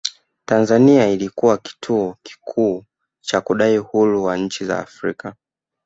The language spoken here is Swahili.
Tanzania ilikuwa kituo kikuu cha kudai uhuru wa nchi za Afrika